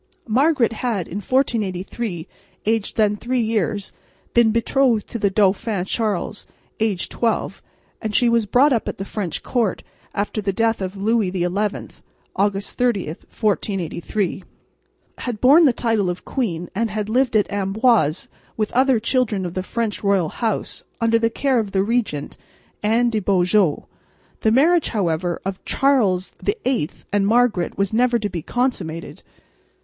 Margaret had in 1483, aged then three years, been betrothed to the Dauphin Charles, aged twelve, and she was brought up at the French Court, and after the death of Louis XI (August 30, 1483) had borne the title of Queen and had lived at Amboise with other children of the French royal house, under the care of the Regent, Anne de Beaujeu. The marriage, however, of Charles VIII and Margaret was never to be consummated.